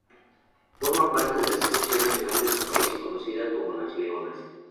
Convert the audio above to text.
Forma parte de la Selección nacional de su país conocida como "Las Leonas".